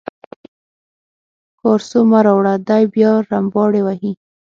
کارسو مه راوړه دی بیا رمباړې وهي.